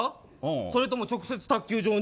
それとも直接、卓球場に。